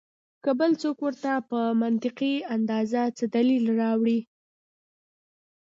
کۀ بل څوک ورته پۀ منطقي انداز څۀ دليل راوړي